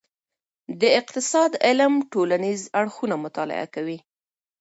د اقتصاد علم ټولنیز اړخونه مطالعه کوي.